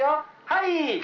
はい。